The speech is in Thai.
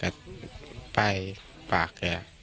แกก็ไปฝากแก